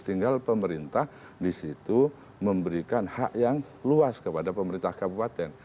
tinggal pemerintah di situ memberikan hak yang luas kepada pemerintah kabupaten